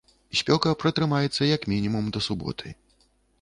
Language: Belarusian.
Спёка пратрымаецца, як мінімум, да суботы.